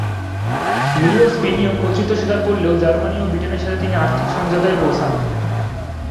লিও স্পেনীয় কর্তৃত্ব স্বীকার করলেও জার্মানি ও ব্রিটেনের সাথে তিনি আর্থিক সমঝোতায় পৌঁছান।